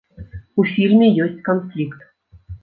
У фільме ёсць канфлікт.